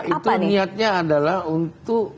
tidak juga itu niatnya adalah untuk